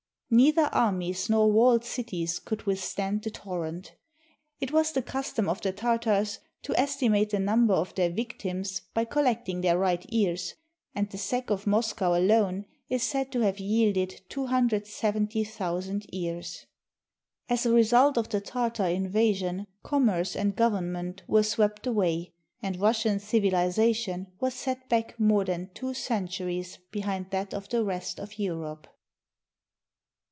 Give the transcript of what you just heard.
Neither armies nor walled cities could withstand the torrent. It was the custom of the Tartars to estimate the number of their victims by collecting their right ears, and the sack of Moscow alone is said to have yielded 270,000 ears. As a result of the Tartar invasion, commerce and govern ment were swept away, and Russian civilization was set back more than two centuries behind that of the rest of Europe.